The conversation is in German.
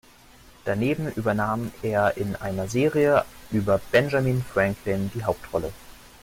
Daneben übernahm er in einer Serie über Benjamin Franklin die Hauptrolle.